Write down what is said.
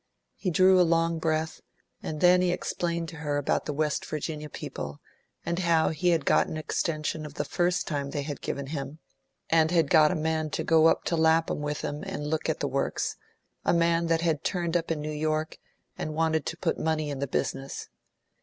He drew a long breath, and then he explained to her about the West Virginia people, and how he had got an extension of the first time they had given him, and had got a man to go up to Lapham with him and look at the works, a man that had turned up in New York, and wanted to put money in the business.